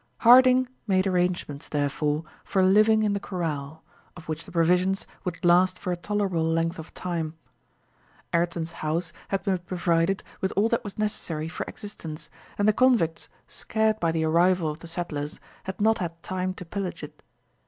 Harding made arrangements, therefore, for living in the corral, of which the provisions would last for a tolerable length of time. Ayrton's house had been provided with all that was necessary for existence, and the convicts, scared by the arrival of the settlers, had not had time to pillage it.